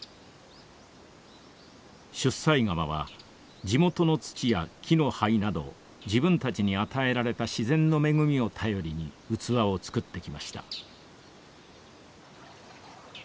出西窯は地元の土や木の灰など自分たちに与えられた自然の恵みを頼りに器を作ってきました。